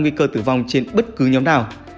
nguy cơ tử vong trên bất cứ nhóm nào